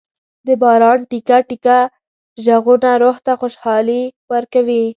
د باران ټېکه ټېکه ږغونه روح ته خوشالي ورکوي.